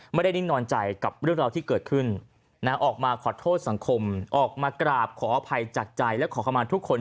ไม่ได้นิดนอนใจกับเรื่องราวที่เกิดขึ้น